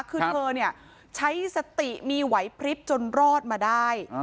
คือเธอเนี่ยใช้สติมีไหวพลิบจนรอดมาได้